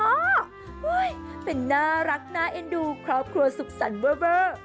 โอ้โหเป็นน่ารักน่าเอ็นดูครอบครัวสุขสรรคเวอร์